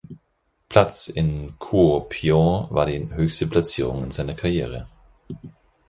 Platz in Kuopio war die höchste Platzierung in seiner Karriere.